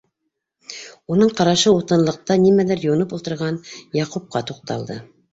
Уның ҡарашы утынлыҡта нимәлер юнып ултырған Яҡупҡа туҡталды.